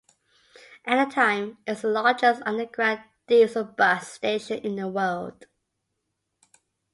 At the time it was the largest underground diesel bus station in the world.